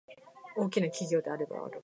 為什麼考慮離線版？